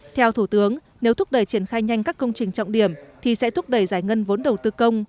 theo thủ tướng nếu thúc đẩy triển khai nhanh các công trình trọng điểm thì sẽ thúc đẩy giải ngân vốn đầu tư công